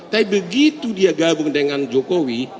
tapi begitu dia gabung dengan jokowi